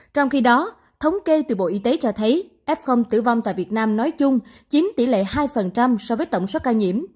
trong khi đó thống kê từ bộ y tế cho thấy f tử vong tại việt nam nói chung chiếm tỷ lệ hai so với tổng số ca nhiễm